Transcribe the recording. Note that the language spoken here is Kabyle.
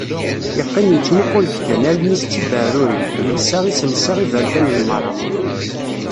Yeqqim yettmuqul-d kan, Allen-is d tibaɛrurin, yelsa iselsa iberkanen merra.